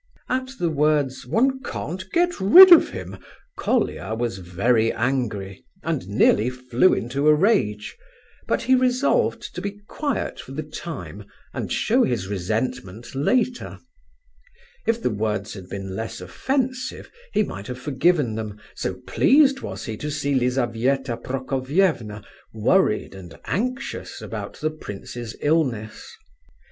At the words "one can't get rid of him," Colia was very angry, and nearly flew into a rage; but he resolved to be quiet for the time and show his resentment later. If the words had been less offensive he might have forgiven them, so pleased was he to see Lizabetha Prokofievna worried and anxious about the prince's illness.